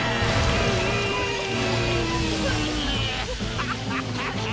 ハハハハハ！